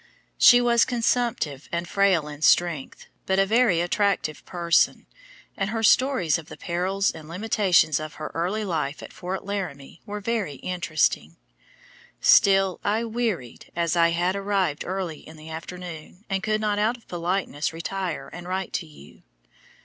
She was consumptive and frail in strength, but a very attractive person, and her stories of the perils and limitation of her early life at Fort Laramie were very interesting. Still I "wearied," as I had arrived early in the afternoon, and could not out of politeness retire and write to you.